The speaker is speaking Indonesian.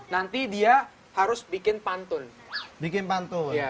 nanti dia harus bikin pantun bikin pantun